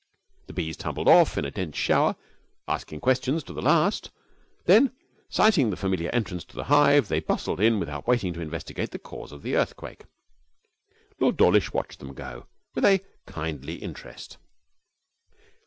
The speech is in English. The bees tumbled off in a dense shower, asking questions to the last; then, sighting the familiar entrance to the hive, they bustled in without waiting to investigate the cause of the earthquake. Lord Dawlish watched them go with a kindly interest.